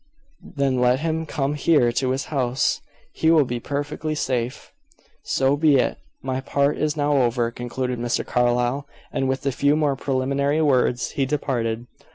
"Then let him come here to this house. He will be perfectly safe." "So be it. My part is now over," concluded Mr. Carlyle. And with a few more preliminary words, he departed.